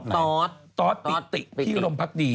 ต๊อตติ๊กติ๊กที่ลมพักดี